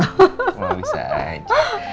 kalau bisa aja